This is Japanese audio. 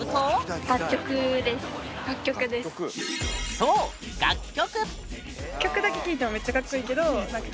そう楽曲！